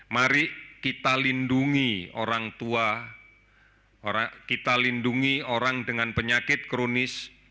mari kita lindungi orang tua kita lindungi orang dengan penyakit kronis